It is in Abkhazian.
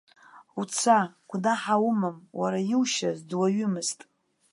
Уца, гәнаҳа умам, уара иушьыз дуаҩымызт.